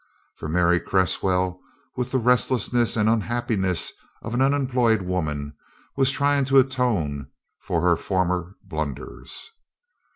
For Mary Cresswell, with the restlessness and unhappiness of an unemployed woman, was trying to atone for her former blunders.